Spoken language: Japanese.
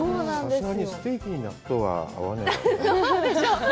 さすがにステーキに納豆は合わないかな。